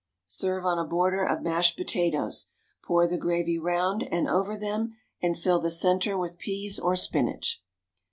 Serve on a border of mashed potatoes, pour the gravy round and over them, and fill the centre with peas or spinach.